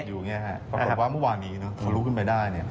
ปรากฏว่าเมื่อวานนี้พอลุกขึ้นไปได้